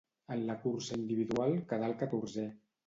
En la cursa individual quedà el catorzè.